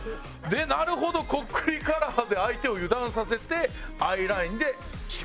「なるほどこっくりカラーで相手を油断させてＩラインで締める」みたいな。